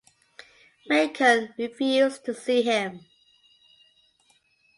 Macon refused to see him.